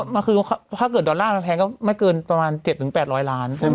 มันคือถ้าเกิดดอลลาร์แทนก็ไม่เกินประมาณ๗๘๐๐ล้าน